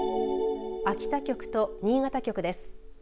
秋田局と新潟局です。